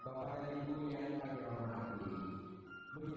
bahagia yang terhormati